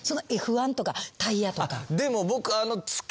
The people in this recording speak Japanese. Ｆ１とかタイヤとか。